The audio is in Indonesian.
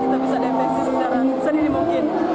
tak bisa defensi secara sendiri mungkin